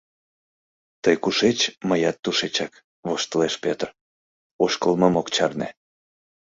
— Тый кушеч, мыят тушечак, — воштылеш Пӧтыр, ошкылмым ок чарне.